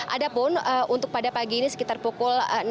ada pun untuk pada pagi ini sekitar pukul enam